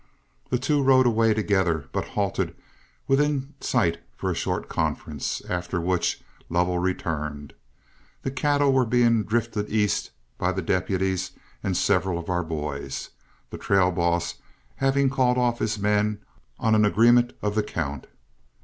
The two rode away together, but halted within sight for a short conference, after which Lovell returned. The cattle were being drifted east by the deputies and several of our boys, the trail boss having called off his men on an agreement of the count.